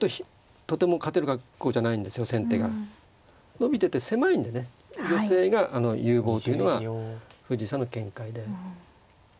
伸びてて狭いんでね寄せが有望というのが藤井さんの見解で。